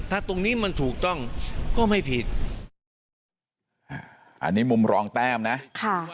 ถ้าตรงนี้มันถูกต้องก็ไม่ผิดอันนี้มุมรองแต้มนะค่ะ